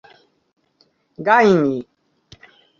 gajni